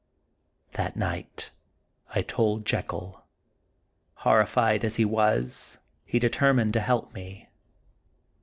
That night I told Jekyll. Horrified as he was, he determined to help me.